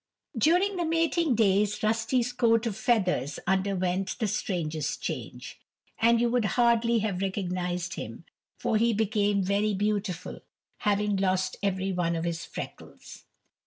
During the mating days Rusty's coat of feathers underwent the strangest change, and you would hardly have recognized him, for he became very beautiful, having lost every one of his freckles.